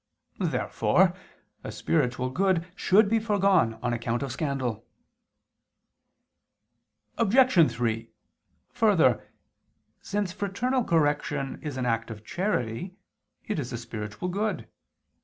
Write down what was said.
Therefore a spiritual good should be foregone on account of scandal. Obj. 3: Further, since fraternal correction is an act of charity, it is a spiritual good.